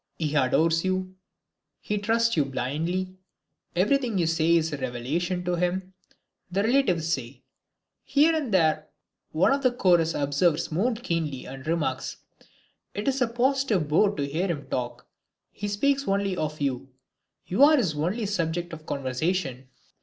"He adores you, he trusts you blindly, everything you say is a revelation to him," the relatives say. Here and there one of the chorus observes more keenly and remarks, "It is a positive bore to hear him talk, he speaks only of you; you are his only subject of conversation."